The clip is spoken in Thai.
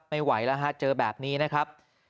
ไม่ไหวแล้วฮะเจอแบบนี้นะครับ